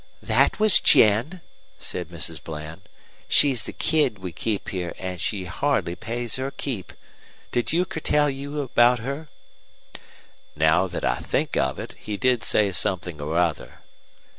"That was Jen," said Mrs. Bland. "She's the kid we keep here, and she sure hardly pays her keep. Did Euchre tell you about her?" "Now that I think of it, he did say something or other."